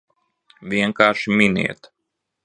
Vienkārši miniet!